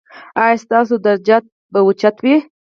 ایا ستاسو درجات به اوچت وي؟